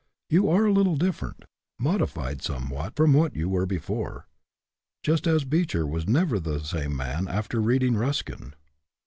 You GETTING AROUSED 25 are a little different, modified somewhat from what you were before, just as Beecher was never the same man after reading Ruskin.